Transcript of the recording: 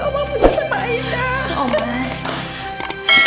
oma ikut sama aida